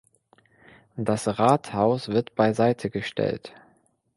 Das Rathaus wird beiseite gestellt.